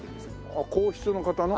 あっ皇室の方の？